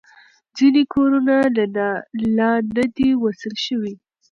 ځینې کورونه لا نه دي وصل شوي.